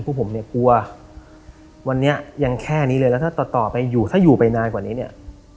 พวกผมเนี่ยกลัววันนี้ยังแค่นี้เลยแล้วถ้าต่อต่อไปอยู่ถ้าอยู่ไปนานกว่านี้เนี่ย